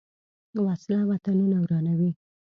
وسله وطنونه ورانوي